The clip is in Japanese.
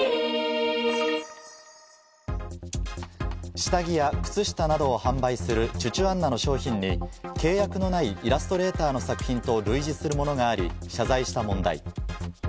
下着や靴下などを販売するチュチュアンナの商品に契約のないイラストレーターの作品と類似するものがあり謝罪した問題。